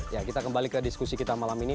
ya kita kembali ke diskusi kita malam ini